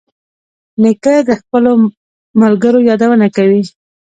نیکه د خپلو ملګرو یادونه کوي.